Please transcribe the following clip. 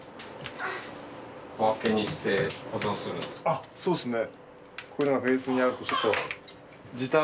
あっそうですね。